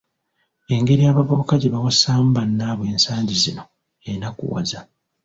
Engeri abavubuka gye bawasaamu bannaabwe ensangi zino enakuwaza.